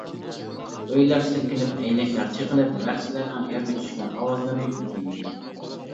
ئۆيلەر سىلكىنىپ، ئەينەكلەر چىقىلىپ، نەرسىلەرنىڭ يەرگە چۈشكەن ئاۋازلىرى ئۈزۈلمىدى.